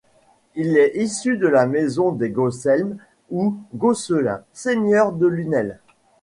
Il est issu de la maison des Gaucelmes ou Gaucelins, seigneurs de Lunel.